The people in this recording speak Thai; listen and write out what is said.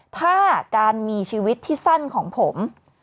ถ้าการมีชีวิตที่สั้นของผม